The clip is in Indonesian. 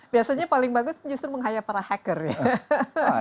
biasanya paling bagus justru menghayap para hacker ya